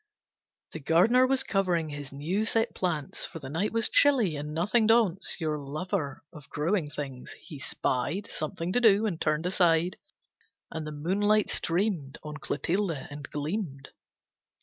The gardener was covering his new set plants For the night was chilly, and nothing daunts Your lover of growing things. He spied Something to do and turned aside, And the moonlight streamed On Clotilde, and gleamed.